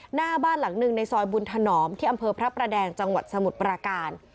หน้าบ้านหลังหนึ่งในซอยบุญถนอมที่อำเภอพระประแดงจังหวัดสมุทรปราการ